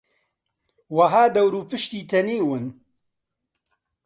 وەها دەور و پشتی تەنیون